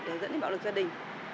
để dẫn đến bạo lực gia đình